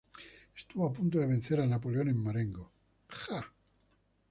Estuvo a punto de vencer a Napoleón en Marengo.